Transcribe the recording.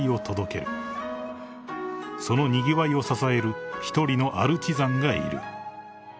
［そのにぎわいを支える一人のアルチザンがいる］